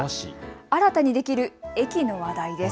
新たにできる駅の話題です。